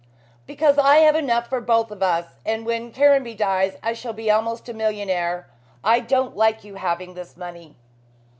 "Because I have enough money for us both, and when Caranby dies I shall be almost a millionaire. I don't like you having this money."